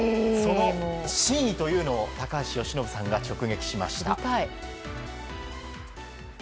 その真意というのを高橋由伸さんが直撃しました。